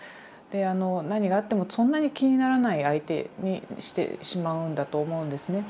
何があってもそんなに気にならない相手にしてしまうんだと思うんですね。